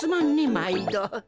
まいど。